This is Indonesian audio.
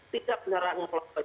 tidak menyerang orang lain